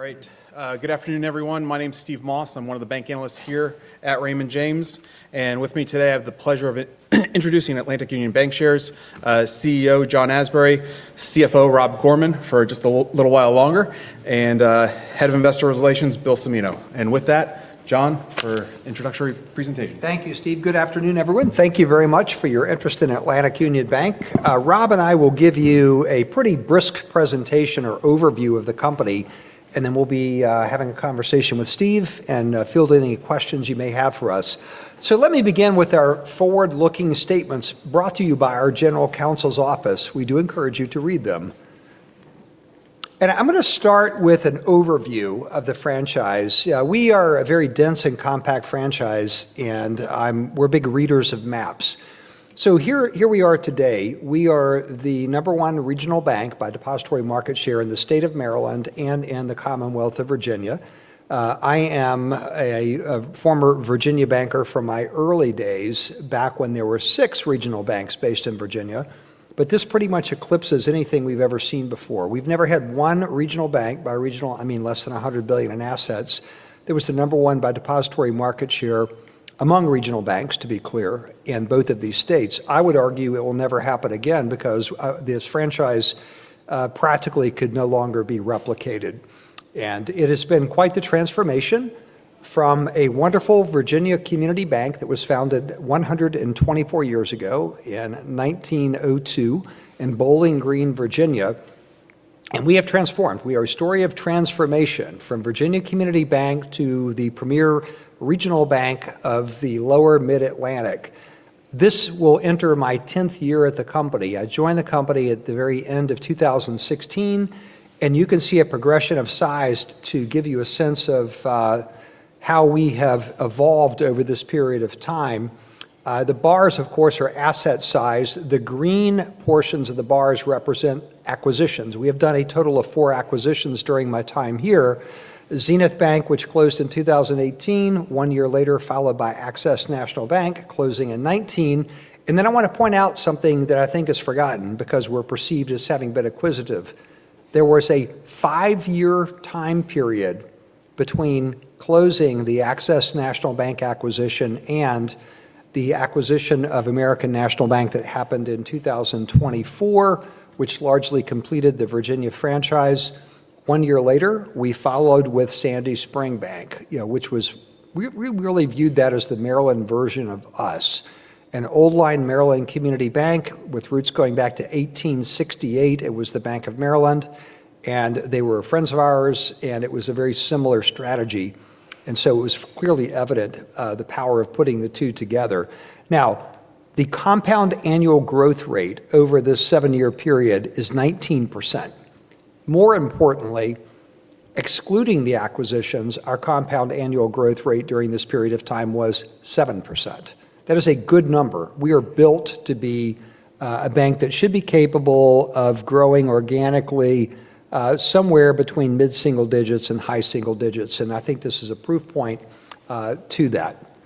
All right. Good afternoon, everyone. My name's Steve Moss. I'm one of the bank analysts here at Raymond James. With me today, I have the pleasure of introducing Atlantic Union Bankshares, CEO John Asbury, CFO Rob Gorman, for just a little while longer, and Head of Investor Relations, Bill Cimino. With that, John, for introductory presentation. Thank you, Steve. Good afternoon, everyone. Thank you very much for your interest in Atlantic Union Bank. Rob and I will give you a pretty brisk presentation or overview of the company, and then we'll be having a conversation with Steve and field any questions you may have for us. Let me begin with our forward-looking statements brought to you by our General Counsel's office. We do encourage you to read them. I'm gonna start with an overview of the franchise. Yeah, we are a very dense and compact franchise, and we're big readers of maps. Here we are today. We are the number one regional bank by depository market share in the state of Maryland and in the Commonwealth of Virginia. I am a former Virginia banker from my early days back when there were 6 regional banks based in Virginia, but this pretty much eclipses anything we've ever seen before. We've never had one regional bank, by regional I mean less than $100 billion in assets, that was the number one by depository market share among regional banks, to be clear, in both of these states. I would argue it will never happen again because this franchise practically could no longer be replicated. It has been quite the transformation from a wonderful Virginia community bank that was founded 124 years ago in 1902 in Bowling Green, Virginia, and we have transformed. We are a story of transformation from Virginia Community Bank to the premier regional bank of the lower Mid-Atlantic. This will enter my 10th year at the company. I joined the company at the very end of 2016, and you can see a progression of size to give you a sense of how we have evolved over this period of time. The bars, of course, are asset size. The green portions of the bars represent acquisitions. We have done a total of four acquisitions during my time here. Xenith Bank, which closed in 2018, one year later followed by Access National Bank closing in 2019. Then I wanna point out something that I think is forgotten because we're perceived as having been acquisitive. There was a five-year time period between closing the Access National Bank acquisition and the acquisition of American National Bank that happened in 2024, which largely completed the Virginia franchise. One year later, we followed with Sandy Spring Bank, you know, which was... We really viewed that as the Maryland version of us. An old-line Maryland community bank with roots going back to 1868. It was the Bank of Maryland. They were friends of ours. It was a very similar strategy. It was clearly evident, the power of putting the two together. The compound annual growth rate over this seven-year period is 19%. More importantly, excluding the acquisitions, our compound annual growth rate during this period of time was 7%. That is a good number. We are built to be a bank that should be capable of growing organically, somewhere between mid-single digits and high single digits. I think this is a proof point to that.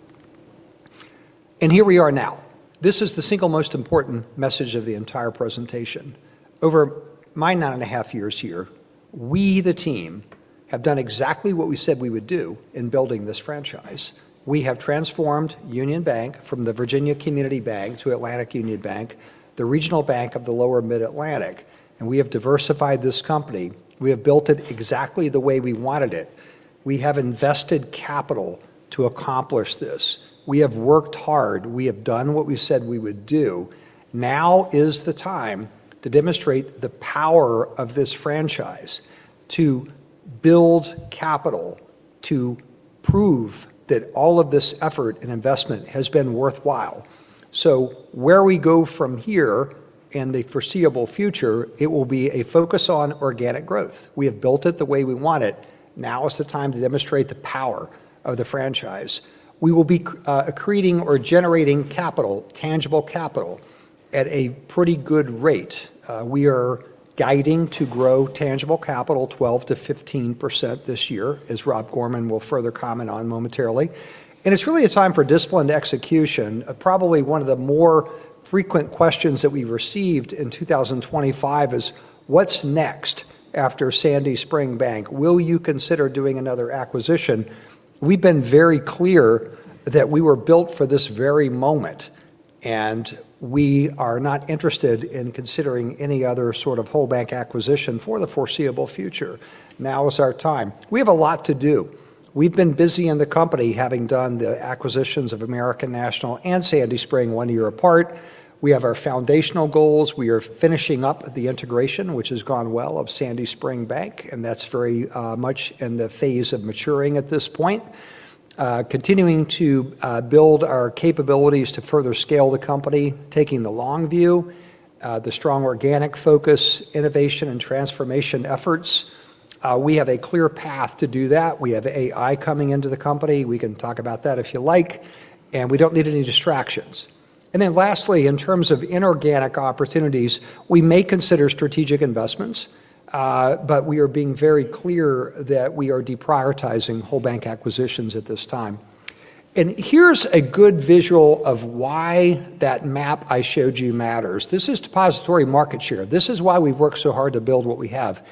Here we are now. This is the single most important message of the entire presentation. Over my nine and a half years here, we, the team, have done exactly what we said we would do in building this franchise. We have transformed Union Bank from the Virginia Community Bank to Atlantic Union Bank, the regional bank of the lower Mid-Atlantic, and we have diversified this company. We have built it exactly the way we wanted it. We have invested capital to accomplish this. We have worked hard. We have done what we said we would do. Now is the time to demonstrate the power of this franchise to build capital to prove that all of this effort and investment has been worthwhile. Where we go from here in the foreseeable future, it will be a focus on organic growth. We have built it the way we want it. Now is the time to demonstrate the power of the franchise. We will be accreting or generating capital, tangible capital, at a pretty good rate. We are guiding to grow tangible capital 12%-15% this year, as Rob Gorman will further comment on momentarily. It's really a time for disciplined execution. Probably one of the more frequent questions that we received in 2025 is, "What's next after Sandy Spring Bank? Will you consider doing another acquisition?" We've been very clear that we were built for this very moment, and we are not interested in considering any other sort of whole bank acquisition for the foreseeable future. Now is our time. We have a lot to do. We've been busy in the company having done the acquisitions of American National and Sandy Spring one year apart. We have our foundational goals. We are finishing up the integration, which has gone well, of Sandy Spring Bank, and that's very much in the phase of maturing at this point. Continuing to build our capabilities to further scale the company, taking the long view, the strong organic focus, innovation and transformation efforts. We have a clear path to do that. We have AI coming into the company. We can talk about that if you like, and we don't need any distractions. Then lastly, in terms of inorganic opportunities, we may consider strategic investments, but we are being very clear that we are deprioritizing whole bank acquisitions at this time. Here's a good visual of why that map I showed you matters. This is depository market share. This is why we've worked so hard to build what we have.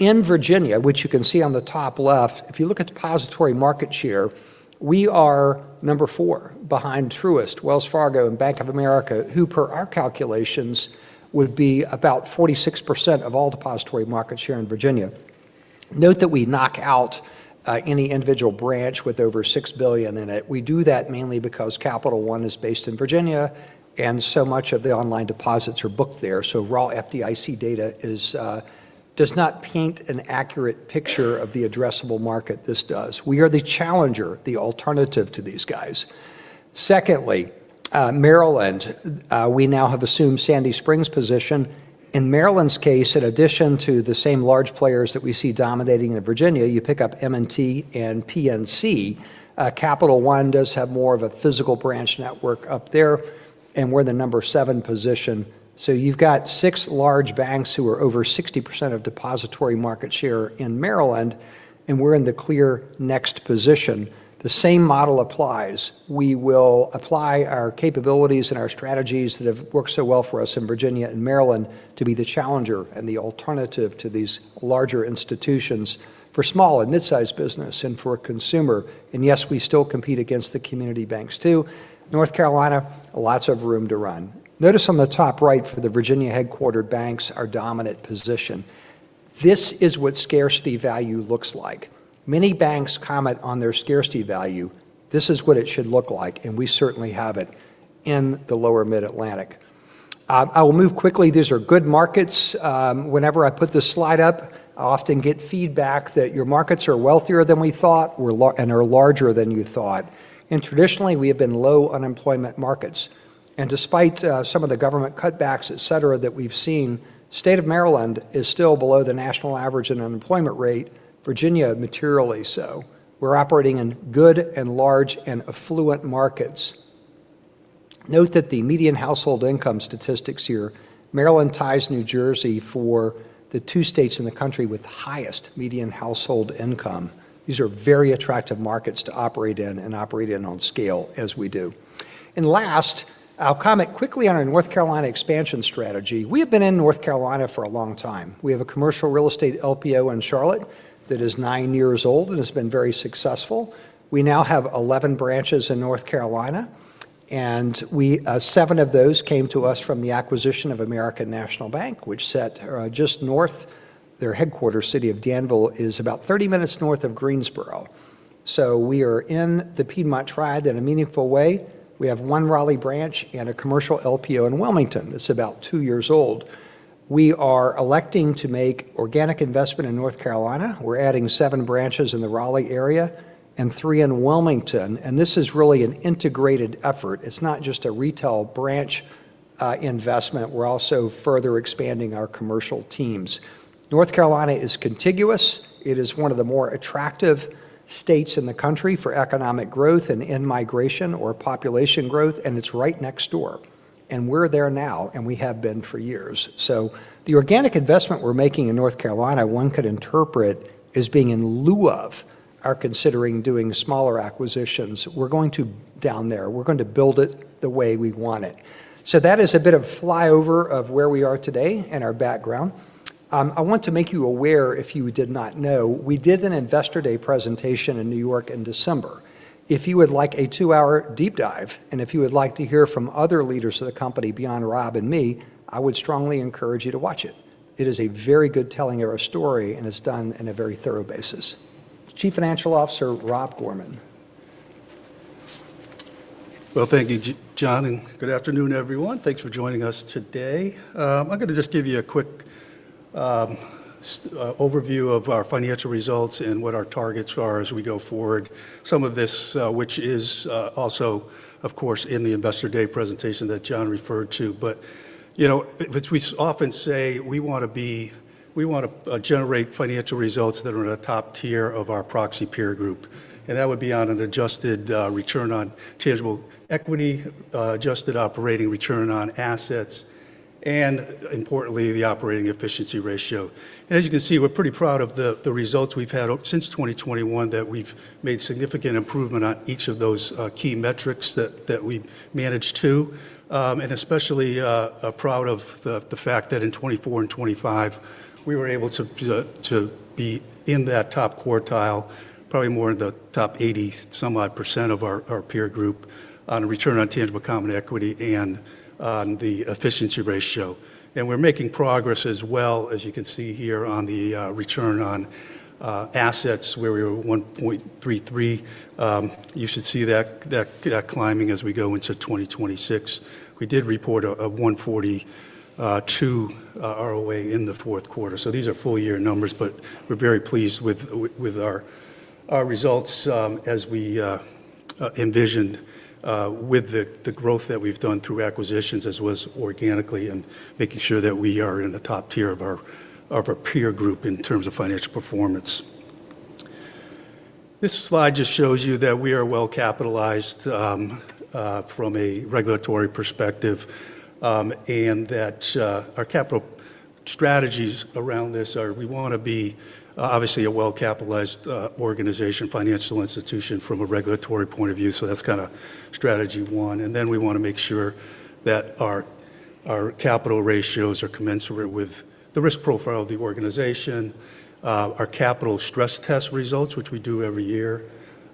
In Virginia, which you can see on the top left, if you look at depository market share, we are number four behind Truist, Wells Fargo, and Bank of America, who per our calculations would be about 46% of all depository market share in Virginia. Note that we knock out any individual branch with over $6 billion in it. We do that mainly because Capital One is based in Virginia and so much of the online deposits are booked there. Raw FDIC data is does not paint an accurate picture of the addressable market. This does. We are the challenger, the alternative to these guys. Maryland, we now have assumed Sandy Spring's position. In Maryland's case, in addition to the same large players that we see dominating in Virginia, you pick up M&T and PNC. Capital One does have more of a physical branch network up there, and we're the seven positions. You've got six large banks who are over 60% of depository market share in Maryland, and we're in the clear next position. The same model applies. We will apply our capabilities and our strategies that have worked so well for us in Virginia and Maryland to be the challenger and the alternative to these larger institutions for small and mid-sized business and for consumer. Yes, we still compete against the community banks too. North Carolina, lots of room to run. Notice on the top right for the Virginia headquartered banks, our dominant position. This is what scarcity value looks like. Many banks comment on their scarcity value. This is what it should look like, and we certainly have it in the lower Mid-Atlantic. I will move quickly. These are good markets. Whenever I put this slide up, I often get feedback that your markets are wealthier than we thought and are larger than you thought. Traditionally, we have been low unemployment markets. Despite some of the government cutbacks, et cetera, that we've seen, State of Maryland is still below the national average in unemployment rate, Virginia materially so. We're operating in good and large and affluent markets. Note that the median household income statistics here, Maryland ties New Jersey for the two states in the country with highest median household income. These are very attractive markets to operate in and operate in on scale as we do. Last, I'll comment quickly on our North Carolina expansion strategy. We have been in North Carolina for a long time. We have a commercial real estate LPO in Charlotte that is nine years old and has been very successful. We now have 11 branches in North Carolina, and we, seven of those came to us from the acquisition of American National Bank, which sat just north. Their headquarter city of Danville is about 30 minutes north of Greensboro. We are in the Piedmont Triad in a meaningful way. We have one Raleigh branch and a commercial LPO in Wilmington that's about two years old. We are electing to make organic investment in North Carolina. We're adding seven branches in the Raleigh area and three in Wilmington, and this is really an integrated effort. It's not just a retail branch investment. We're also further expanding our commercial teams. North Carolina is contiguous. It is one of the more attractive states in the country for economic growth and in-migration or population growth, and its right next door. We're there now, and we have been for years. The organic investment we're making in North Carolina, one could interpret as being in lieu of our considering doing smaller acquisitions. We're going to down there. We're going to build it the way we want it. That is a bit of flyover of where we are today and our background. I want to make you aware, if you did not know, we did an investor day presentation in New York in December. If you would like a two-hour deep dive, and if you would like to hear from other leaders of the company beyond Rob and me, I would strongly encourage you to watch it. It is a very good telling of our story, and it's done in a very thorough basis. Chief Financial Officer, Rob Gorman. Well, thank you John. Good afternoon, everyone. Thanks for joining us today. I'm gonna just give you a quick overview of our financial results and what our targets are as we go forward. Some of this, which is also, of course, in the investor day presentation that John referred to. You know, we often say we wanna generate financial results that are in the top tier of our proxy peer group. That would be on an adjusted return on tangible equity, adjusted operating return on assets, importantly, the operating efficiency ratio. As you can see, we're pretty proud of the results we've had since 2021 that we've made significant improvement on each of those key metrics that we managed to. especially proud of the fact that in 2024 and 2025, we were able to be in that top quartile, probably more in the top 80% of our peer group on a return on tangible common equity and on the efficiency ratio. We're making progress as well, as you can see here, on the return on assets, where we were 1.33%. You should see that climbing as we go into 2026. We did report a 1.42% ROA in the fourth quarter. These are full year numbers, but we're very pleased with our results as we envisioned with the growth that we've done through acquisitions as was organically and making sure that we are in the top tier of our peer group in terms of financial performance. This slide just shows you that we are well capitalized from a regulatory perspective, and that our capital strategies around this are we wanna be obviously a well-capitalized organization, financial institution from a regulatory point of view. That's kinda strategy one. We wanna make sure that our capital ratios are commensurate with the risk profile of the organization, our capital stress test results, which we do every year,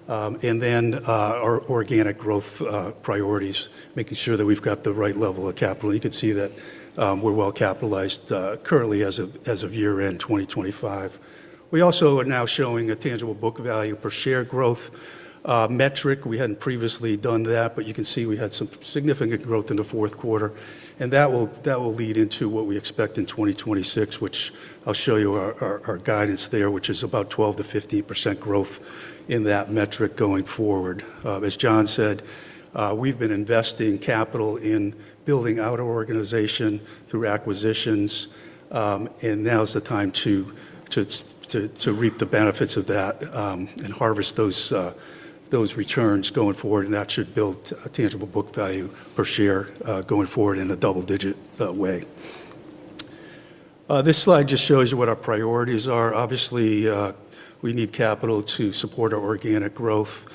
our organic growth priorities, making sure that we've got the right level of capital. You can see that we're well-capitalized currently as of year-end 2025. We also are now showing a tangible book value per share growth metric. We hadn't previously done that, but you can see we had some significant growth in the fourth quarter, and that will lead into what we expect in 2026, which I'll show you our guidance there, which is about 12%-15% growth in that metric going forward. As John said, we've been investing capital in building out our organization through acquisitions, now's the time to reap the benefits of that, and harvest those returns going forward, that should build tangible book value per share, going forward in a double-digit way. This slide just shows you what our priorities are. Obviously, we need capital to support our organic growth,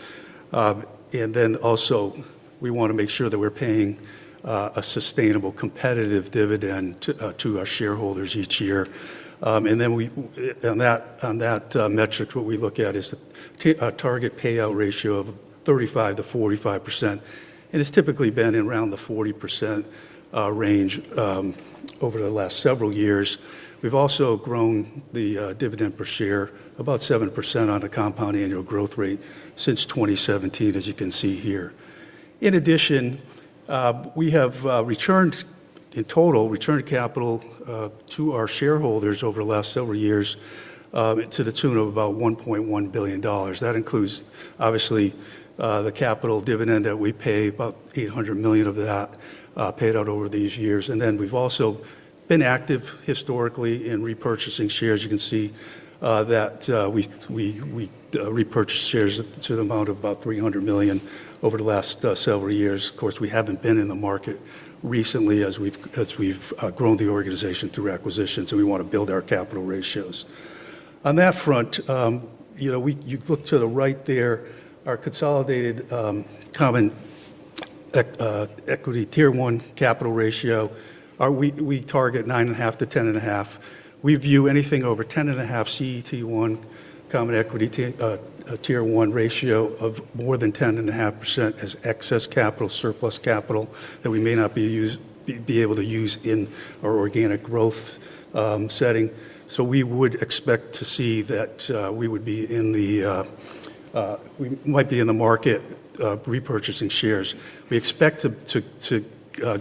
then also we wanna make sure that we're paying a sustainable competitive dividend to our shareholders each year. We, on that metric, what we look at is a target payout ratio of 35%-45%, it's typically been around the 40% range, over the last several years. We've also grown the dividend per share about 7% on a compound annual growth rate since 2017, as you can see here. In addition, we have returned, in total, returned capital to our shareholders over the last several years, to the tune of about $1.1 billion. That includes, obviously, the capital dividend that we pay, about $800 million of that paid out over these years. We've also been active historically in repurchasing shares. You can see that we repurchased shares to the amount of about $300 million over the last several years. We haven't been in the market recently as we've grown the organization through acquisitions, and we wanna build our capital ratios. On that front, you know, you look to the right there, our consolidated Common Equity Tier one capital ratio. We target 9.5% to 10.5%. We view anything over 10.5% CET1, Common Equity Tier 1 ratio of more than 10.5% as excess capital, surplus capital that we may not be able to use in our organic growth setting. We would expect to see that we would be in the market repurchasing shares. We expect to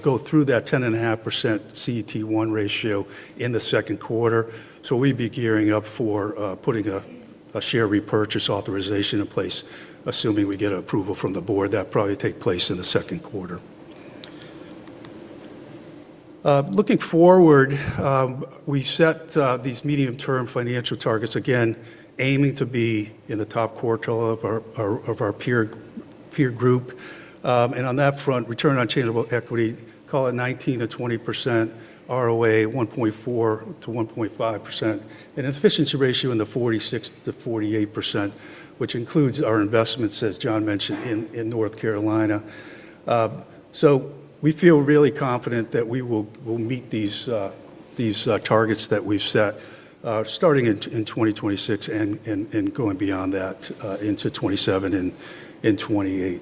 go through that 10.5% CET1 ratio in the second quarter, so we'd be gearing up for putting a share repurchase authorization in place. Assuming we get approval from the board, that'd probably take place in the second quarter. Looking forward, we set these medium-term financial targets, again, aiming to be in the top quartile of our peer group. On that front, return on tangible equity, call it 19%-20% ROA, 1.4%-1.5%, and efficiency ratio in the 46%-48%, which includes our investments, as John mentioned, in North Carolina. We feel really confident that we will meet these targets that we've set starting in 2026 and going beyond that into 2027 and 2028.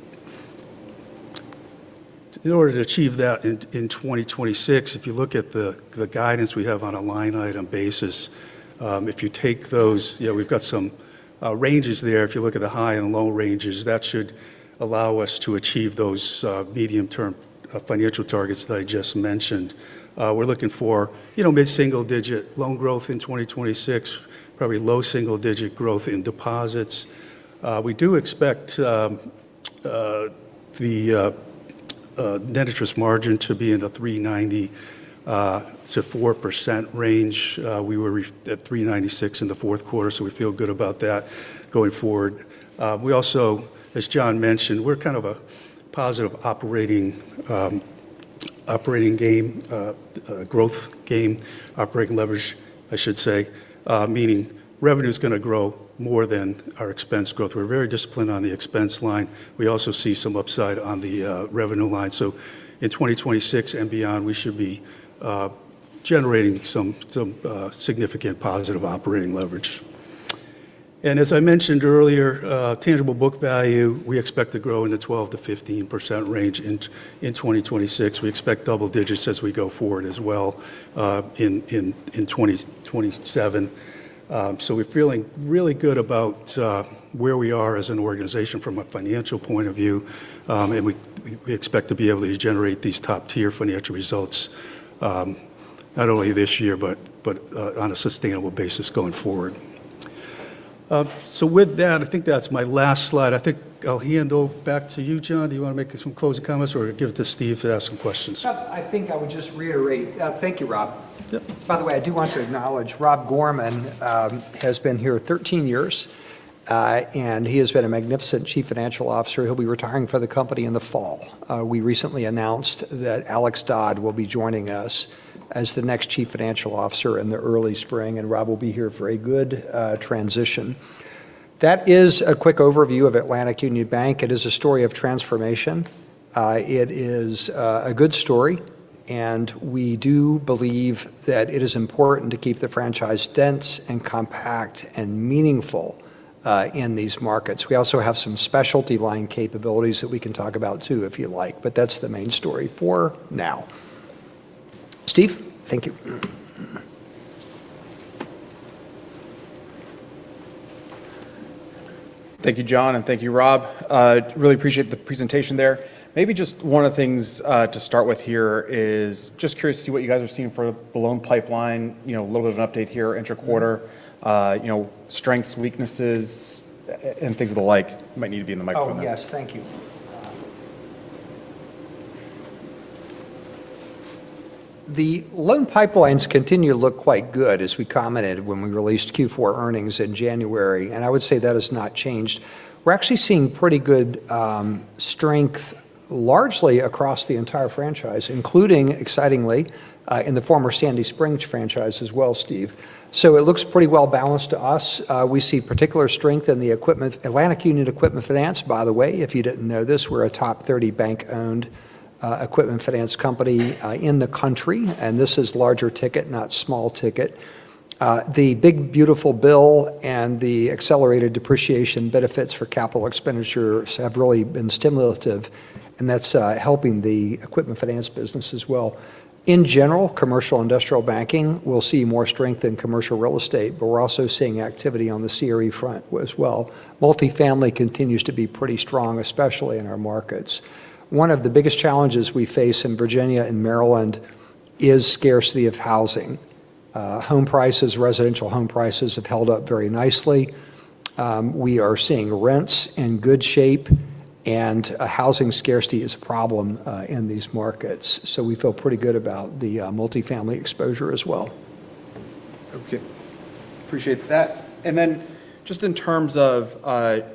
In order to achieve that in 2026, if you look at the guidance we have on a line item basis, if you take those, you know, we've got some ranges there. If you look at the high and low ranges, that should allow us to achieve those medium-term financial targets that I just mentioned. We're looking for, you know, mid-single-digit loan growth in 2026, probably low single-digit growth in deposits. We do expect the net interest margin to be in the 3.90%-4% range. We were at 3.96% in the fourth quarter, so we feel good about that going forward. We also, as John mentioned, we're kind of a positive operating leverage, I should say. meaning revenue's gonna grow more than our expense growth. We're very disciplined on the expense line. We also see some upside on the revenue line. In 2026 and beyond, we should be generating some significant positive operating leverage. As I mentioned earlier, tangible book value we expect to grow in the 12%-15% range in 2026. We expect double digits as we go forward as well, in 2027. We're feeling really good about where we are as an organization from a financial point of view, we expect to be able to generate these top-tier financial results, not only this year but on a sustainable basis going forward. With that, I think that's my last slide. I think I'll hand it over back to you, John. Do you wanna make some closing comments or give it to Steve to ask some questions? I think I would just reiterate. Thank you, Rob. Yep. By the way, I do want to acknowledge Rob Gorman has been here 13 years. He has been a magnificent chief financial officer. He'll be retiring from the company in the fall. We recently announced that Alex Dodd will be joining us as the next chief financial officer in the early spring, and Rob will be here for a good transition. That is a quick overview of Atlantic Union Bank. It is a story of transformation. It is a good story, and we do believe that it is important to keep the franchise dense and compact and meaningful in these markets. We also have some specialty line capabilities that we can talk about too, if you like, but that's the main story for now. Steve? Thank you. Thank you, John, and thank you, Rob. Really appreciate the presentation there. Maybe just one of the things, to start with here is just curious to see what you guys are seeing for the loan pipeline. You know, a little bit of an update here interquarter. You know, strengths, weaknesses and things of the like. Might need to be in the microphone there. Oh, yes. Thank you. The loan pipelines continue to look quite good, as we commented when we released Q4 earnings in January. I would say that has not changed. We're actually seeing pretty good strength largely across the entire franchise, including, excitingly, in the former Sandy Spring franchise as well, Steve. It looks pretty well-balanced to us. We see particular strength in Atlantic Union Equipment Finance, by the way, if you didn't know this, we're a top 30 bank-owned equipment finance company in the country. This is larger ticket, not small ticket. The big beautiful bill and the accelerated depreciation benefits for capital expenditures have really been stimulative. That's helping the equipment finance business as well. In general, commercial industrial banking, we'll see more strength in commercial real estate, but we're also seeing activity on the CRE front as well. Multifamily continues to be pretty strong, especially in our markets. One of the biggest challenges we face in Virginia and Maryland is scarcity of housing. Home prices, residential home prices have held up very nicely. We are seeing rents in good shape. A housing scarcity is a problem in these markets. We feel pretty good about the multifamily exposure as well. Okay. Appreciate that. Then just in terms of,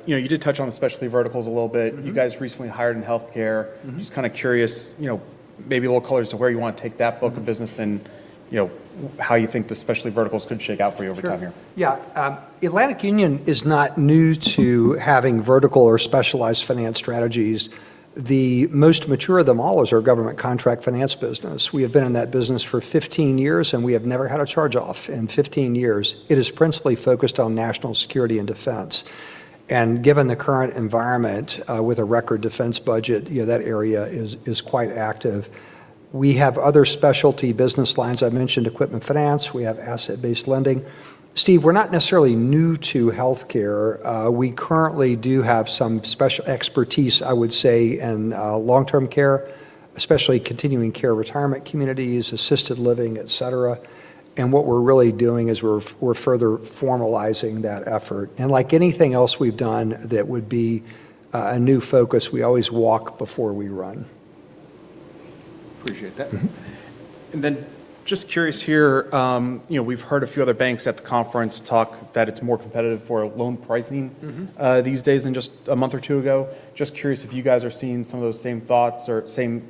you know, you did touch on the specialty verticals a little bit. Mm-hmm. You guys recently hired in healthcare. Mm-hmm. Just kind of curious, you know, maybe a little color as to where you want to take that book of business and, you know, how you think the specialty verticals could shake out for you over time here. Sure. Atlantic Union is not new to having vertical or specialized finance strategies. The most mature of them all is our government contract finance business. We have been in that business for 15 years, and we have never had a charge-off in 15 years. It is principally focused on national security and defense. Given the current environment, with a record defense budget, you know, that area is quite active. We have other specialty business lines. I mentioned equipment finance. We have asset-based lending. Steve, we're not necessarily new to healthcare. We currently do have some special expertise, I would say, in long-term care, especially continuing care retirement communities, assisted living, et cetera. What we're really doing is we're further formalizing that effort. Like anything else we've done that would be a new focus, we always walk before we run. Appreciate that. Mm-hmm. Just curious here, you know, we've heard a few other banks at the conference talk that it's more competitive for loan pricing. Mm-hmm These days than just a month or two ago. Just curious if you guys are seeing some of those same thoughts or same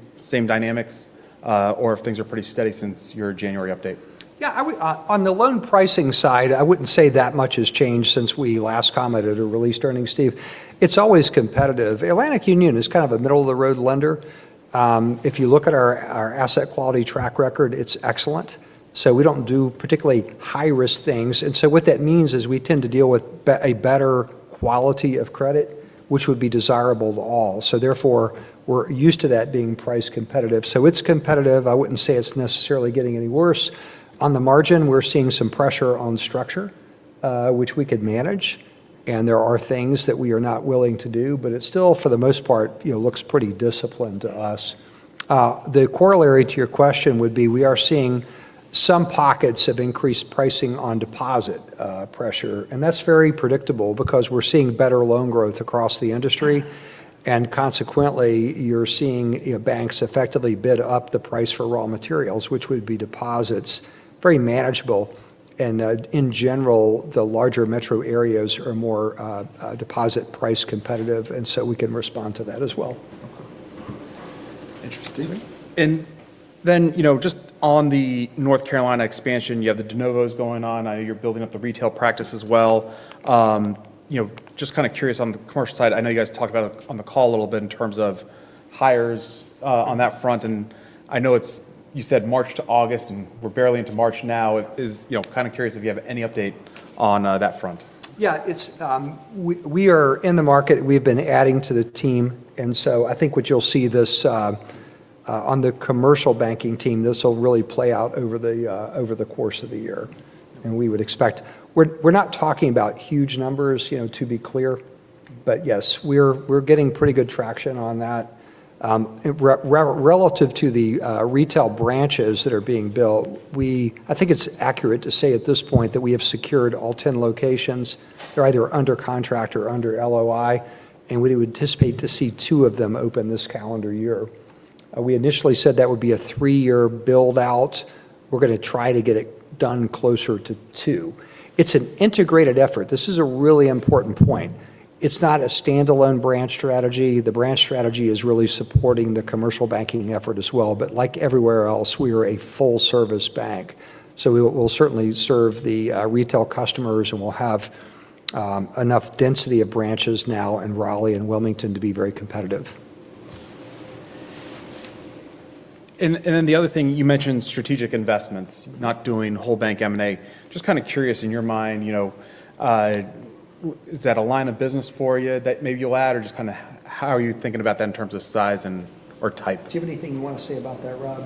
dynamics, or if things are pretty steady since your January update? Yeah, on the loan pricing side, I wouldn't say that much has changed since we last commented or released earnings, Steve. It's always competitive. Atlantic Union is kind of a middle-of-the-road lender. If you look at our asset quality track record, it's excellent, so we don't do particularly high-risk things. What that means is we tend to deal with a better quality of credit, which would be desirable to all. Therefore, we're used to that being price competitive. It's competitive. I wouldn't say it's necessarily getting any worse. On the margin, we're seeing some pressure on structure, which we could manage, and there are things that we are not willing to do, but it still, for the most part, you know, looks pretty disciplined to us. The corollary to your question would be we are seeing some pockets of increased pricing on deposit pressure. That's very predictable because we're seeing better loan growth across the industry. Consequently, you're seeing, you know, banks effectively bid up the price for raw materials, which would be deposits. Very manageable. In general, the larger metro areas are more deposit price competitive. We can respond to that as well. Interesting. You know, just on the North Carolina expansion, you have the de novos going on. I know you're building up the retail practice as well. You know, just kind of curious on the commercial side. I know you guys talked about it on the call a little bit in terms of hires on that front, and I know it's, you said March to August, and we're barely into March now. Is, you know, kind of curious if you have any update on that front. Yeah, it's. We are in the market. We've been adding to the team. I think what you'll see this on the commercial banking team, this will really play out over the course of the year, and we would expect. We're not talking about huge numbers, you know, to be clear. Yes, we're getting pretty good traction on that. Relative to the retail branches that are being built, I think it's accurate to say at this point that we have secured all 10 locations. They're either under contract or under LOI, we would anticipate to see two of them open this calendar year. We initially said that would be a three-year build-out. We're gonna try to get it done closer to two. It's an integrated effort. This is a really important point. It's not a standalone branch strategy. The branch strategy is really supporting the commercial banking effort as well. Like everywhere else, we are a full-service bank. We'll certainly serve the retail customers, and we'll have enough density of branches now in Raleigh and Wilmington to be very competitive. Then the other thing, you mentioned strategic investments, not doing whole bank M&A. Just kinda curious, in your mind, you know, is that a line of business for you that maybe you'll add, or just kinda how are you thinking about that in terms of size and, or type? Do you have anything you wanna say about that, Rob?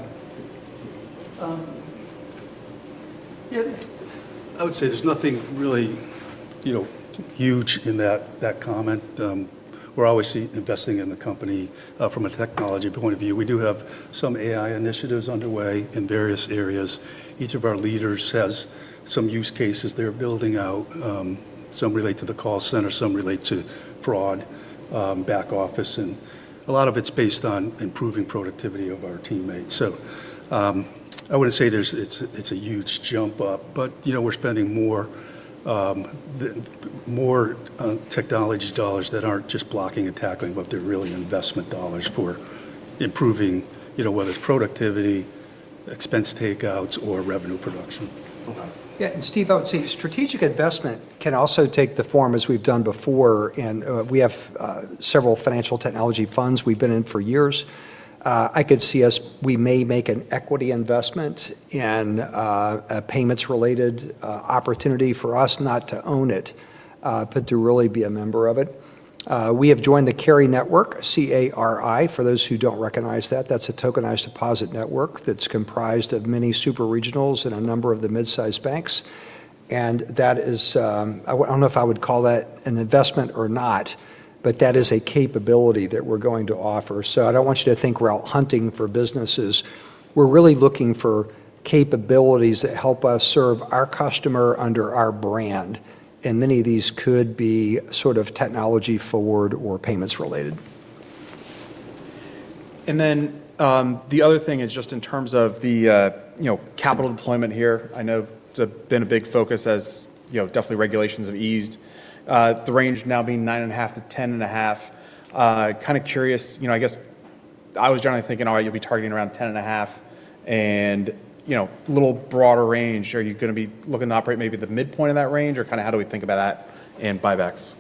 Yeah, there's I would say there's nothing really, you know, huge in that comment. We're always investing in the company from a technology point of view. We do have some AI initiatives underway in various areas. Each of our leaders has some use cases they're building out. Some relate to the call center, some relate to fraud, back office, and a lot of it's based on improving productivity of our teammates. I wouldn't say there's, it's a huge jump up, but, you know, we're spending more, more technology dollars that aren't just blocking and tackling, but they're really investment dollars for improving, you know, whether it's productivity, expense takeouts, or revenue production. Okay. Yeah, Steve, I would say strategic investment can also take the form as we've done before. We have several financial technology funds we've been in for years. We may make an equity investment in a payments-related opportunity for us not to own it, but to really be a member of it. We have joined the Cari Network, C-A-R-I, for those who don't recognize that. That's a tokenized deposit network that's comprised of many super regionals and a number of the mid-size banks. That is, I don't know if I would call that an investment or not, but that is a capability that we're going to offer. I don't want you to think we're out hunting for businesses. We're really looking for capabilities that help us serve our customer under our brand, and many of these could be sort of technology-forward or payments-related. The other thing is just in terms of the, you know, capital deployment here. I know it's been a big focus as, you know, definitely regulations have eased. The range now being 9.5%-10.5%. Kinda curious, you know, I guess I was generally thinking, all right, you'll be targeting around 10.5% and, you know, little broader range. Are you gonna be looking to operate maybe at the midpoint of that range, or kinda how do we think about that in buybacks?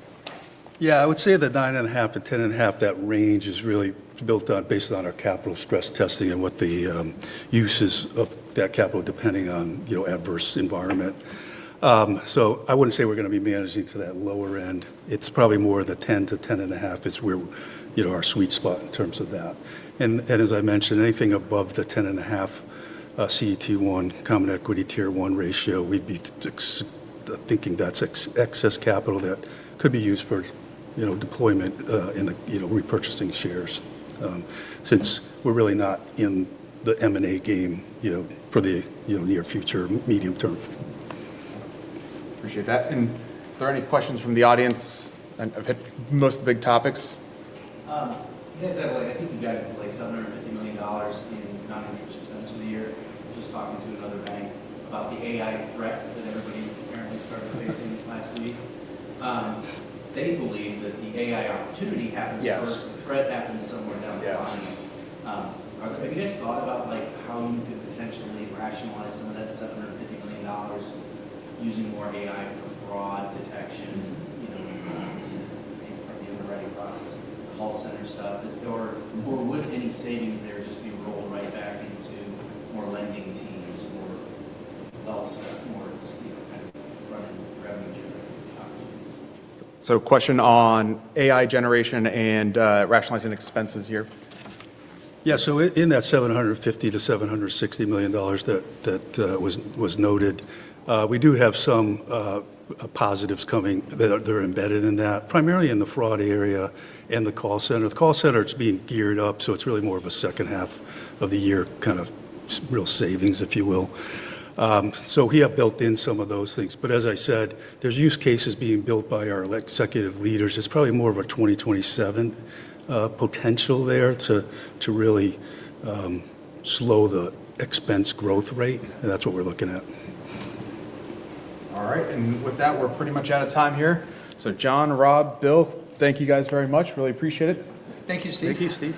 Yeah. I would say the 9.5%-10.5%, that range is really built on, based on our capital stress testing and what the uses of that capital depending on, you know, adverse environment. I wouldn't say we're gonna be managing to that lower end. It's probably more the 10%-10.5% is where, you know, our sweet spot in terms of that. As I mentioned, anything above the 10.5% CET1, Common Equity Tier one ratio, we'd be thinking that's excess capital that could be used for, you know, deployment in the, you know, repurchasing shares. Since we're really not in the M&A game, you know, for the, you know, near future, medium term. Appreciate that. Are there any questions from the audience? I've hit most of the big topics. You guys have like, I think you guided for like $750 million in non-interest expense for the year. Just talking to another bank about the AI threat that everybody apparently started facing last week. They believe that the AI opportunity. Yes First, the threat happens somewhere down the line. Yes. Have you guys thought about like how you could potentially rationalize some of that $750 million using more AI for fraud detection, you know, maybe underwriting process, call center stuff? Would any savings there just be rolled right back into more lending teams or development staff, more of Steve kind of revenue generating opportunities? Question on AI generation and rationalizing expenses here. Yeah. In that $750 million-$760 million that was noted, we do have some positives coming that are embedded in that, primarily in the fraud area and the call center. The call center, it's being geared up, so it's really more of a second half of the year kind of real savings, if you will. We have built in some of those things. As I said, there's use cases being built by our executive leaders. It's probably more of a 2027 potential there to really slow the expense growth rate, that's what we're looking at. All right. With that, we're pretty much out of time here. John, Rob, Bill, thank you guys very much. Really appreciate it. Thank you, Steve. Thank you, Steve.